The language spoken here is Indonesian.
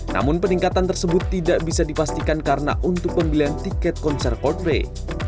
namun peningkatan tersebut tidak bisa dipastikan karena untuk pembelian tiket konser coldplay